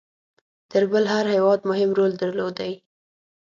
تر بل هر هیواد مهم رول درلودی.